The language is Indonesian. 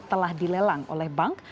telah dilelang oleh bank